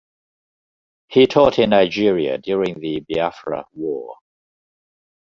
He taught in Nigeria during the Biafra War.